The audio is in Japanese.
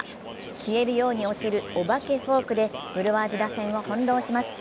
消えるように落ちるお化けフォークで、ブルワーズ打線を翻弄します。